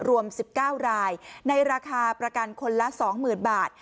รวมสิบเก้ารายในราคาประกันคนละสองหมื่นบาท